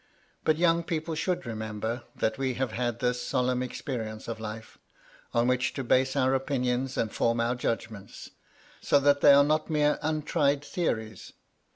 But young people should remember that we have had this solemn experience of life, on which to base our opinions and form our judgments, so that they are not mere untried theories.